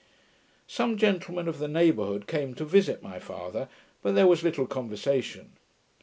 Some gentlemen of the neighbourhood came to visit my father; but there was little conversation.